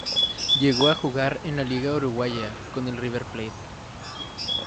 Llegó a jugar en la Liga Uruguaya con el River Plate.